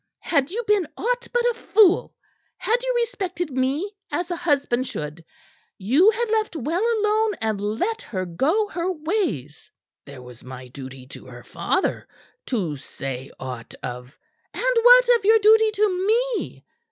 Had you been aught but a fool had you respected me as a husband should you had left well alone and let her go her ways." "There was my duty to her father, to say aught of " "And what of your duty to me?"